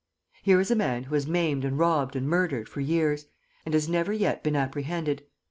Here is a man who has maimed and robbed and murdered for years, and has never yet been apprehended.